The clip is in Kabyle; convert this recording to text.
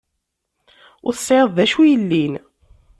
Ur tesεiḍ d acu yellin.